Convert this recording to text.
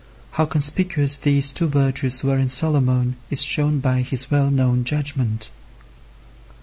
How conspicuous these two virtues were in Solomon is shown by his well known judgment.